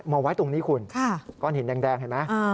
มาไว้ตรงนี้คุณก้อนหินแดงเห็นไหม